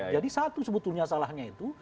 jadi satu sebetulnya salahnya itu